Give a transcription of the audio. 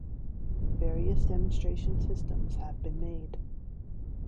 Various demonstration systems have been made.